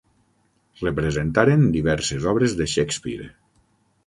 Representaren diverses obres de Shakespeare.